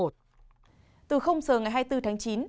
từ giờ ngày hai mươi bốn tháng chín